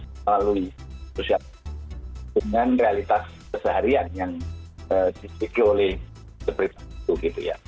nah ini juga bisa kita lalui dengan realitas seharian yang disikui oleh seperti itu gitu ya